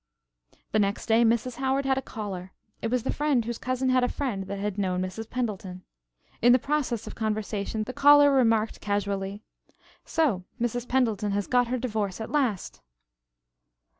The next day Mrs. Howard had a caller. It was the friend whose cousin had a friend that had known Mrs. Pendleton. In the process of conversation the caller remarked casually: "So Mrs. Pendleton has got her divorce at last."